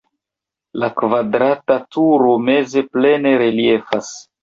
La kvadrata turo meze plene reliefas.